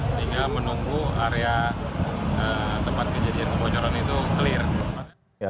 sehingga menunggu area tempat kejadian kebocoran itu clear